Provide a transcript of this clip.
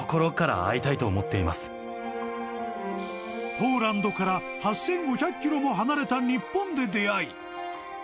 ポーランドから８５００キロも離れた日本で出会い